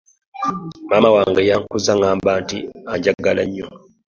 maama wange yankuza angamba nti anjagala nnyo.